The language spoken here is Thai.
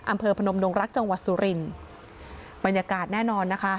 พนมดงรักจังหวัดสุรินบรรยากาศแน่นอนนะคะ